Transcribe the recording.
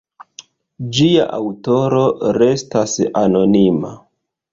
Ĝia aŭtoro restas anonima.